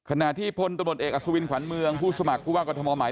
ขณะที่พลตเอกอาศวินขวัญเมืองผู้สมัครภูว่ากฎธหมอหมาย